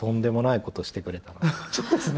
そうですね。